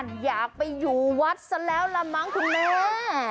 อยากไปอยู่วัดซะแล้วล่ะมั้งคุณแม่